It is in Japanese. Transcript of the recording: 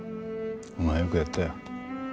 お前はよくやったよ。